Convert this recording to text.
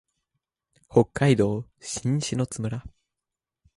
北海道新篠津村